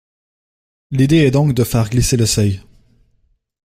L’idée est donc de faire glisser le seuil.